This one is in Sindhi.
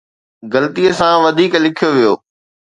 غلطيءَ سان وڌيڪ لکيو ويو